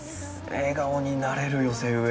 笑顔になれる寄せ植え。